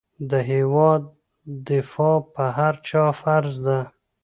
د هېواد دفاع په هر چا فرض ده.